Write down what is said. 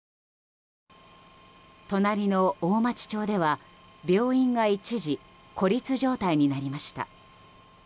隣の大町町では病院が一時孤立状態になりました。